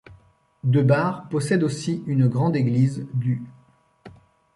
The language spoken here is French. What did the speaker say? Debar possède aussi une grande église du.